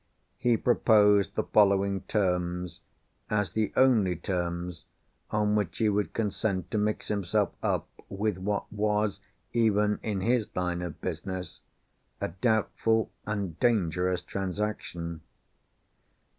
He proposed the following terms, as the only terms on which he would consent to mix himself up with, what was (even in his line of business) a doubtful and dangerous transaction.